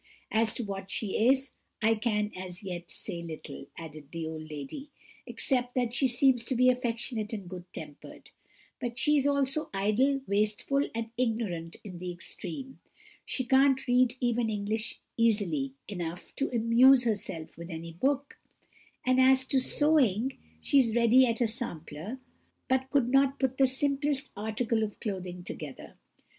As to what she is, I can as yet say little," added the old lady, "except that she seems to be affectionate and good tempered; but she is also idle, wasteful, and ignorant in the extreme. She can't read even English easily enough to amuse herself with any book; and as to sewing, she is ready at a sampler, but could not put the simplest article of clothing together.